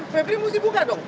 febri mesti buka dong